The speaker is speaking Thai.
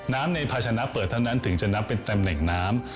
ในภาชนะเปิดเท่านั้นถึงจะนับเป็นตำแหน่งน้ำ